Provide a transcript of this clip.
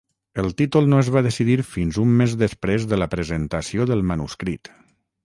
El títol no es va decidir fins un mes després de la presentació del manuscrit.